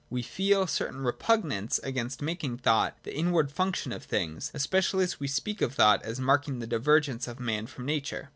We feel a certain repugnance against making thought the inward function of things, especially as we speak of thought as marking the divergence ^' of man from nature.